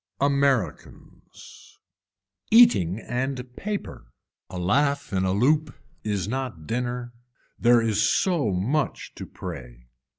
AMERICANS Eating and paper. A laugh in a loop is not dinner. There is so much to pray.